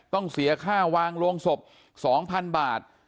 ต้องเสียค่าวางโรงศพ๒๐๐๐บาท